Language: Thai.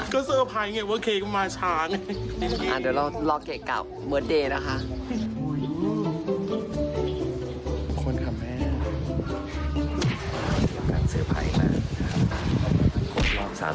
ก็เซอร์ไพรส์ไงว่าเค้กมาช้า